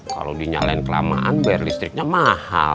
kalau dinyalin kelamaan bayar listriknya mahal